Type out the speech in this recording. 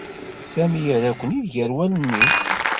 Sami yerra-ken-id gar wallen-is.